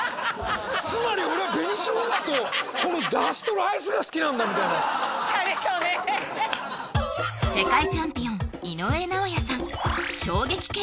つまり俺は紅生姜とこの出汁とライスが好きなんだみたいな世界チャンピオン井上尚弥さん